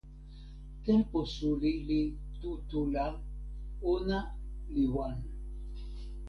tenpo suli li tu tu la, ona li wan.